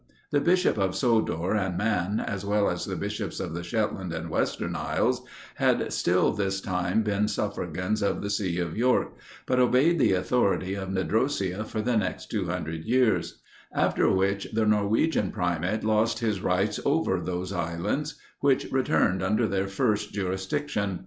The bishop of Sodor and Man, as well as the bishops of the Shetland and western isles, had till this time been suffragans of the see of York, but obeyed the authority of Nidrosia for the next 200 years; after which, the Norwegian primate lost his rights over those islands, which returned under their first jurisdiction.